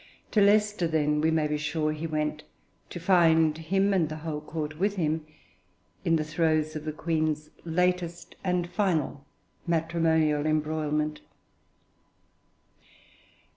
To Leicester, then, we may be sure, he went, to find him, and the whole Court with him, in the throes of the Queen's latest and final matrimonial embroilment.